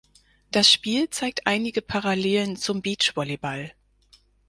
Das Spiel zeigt einige Parallelen zum Beachvolleyball.